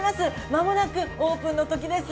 間もなくオープンのときです。